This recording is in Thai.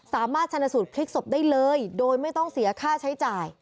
สามารถชนสูตรพลิกศพได้เลยโดยไม่ต้องเสียค่าใช้จ่าย